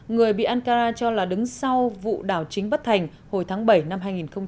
người bị ankara cho là đứng sau vụ đảo chính bất thành hồi tháng bảy năm hai nghìn một mươi chín